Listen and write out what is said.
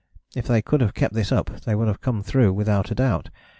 If they could have kept this up they would have come through without a doubt.